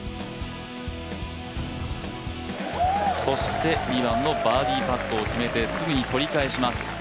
そして２番のバーディーパットを決めてすぐに取り返します。